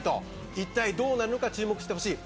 いったいどうなるのか注目してほしい。